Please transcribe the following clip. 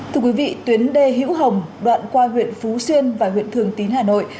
thưa quý vị tuyến đê hữu hồng đoạn qua huyện phú xuyên và huyện thường tín hà nội